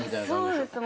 そうです。